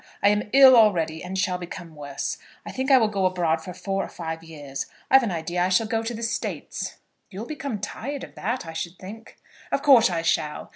I am ill already, and shall become worse. I think I will go abroad for four or five years. I've an idea I shall go to the States." "You'll become tired of that, I should think." "Of course I shall.